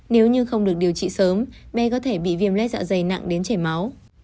nếu như không được điều trị sớm bé có thể bị viêm lết dạ dày nặng đến chảy máu